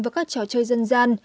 với các trò chơi dân gian